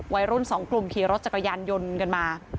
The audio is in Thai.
วัยรุ่นสองกลุ่มขี่รถจักรยานยนต์กันมา